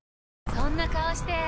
そんな顔して！